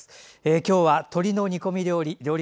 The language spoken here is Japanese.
今日は鶏の煮込み料理。